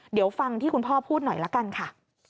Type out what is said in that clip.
เดี๋ยวฟังที่คุณพ่อพูดหน่อยละกันค่ะ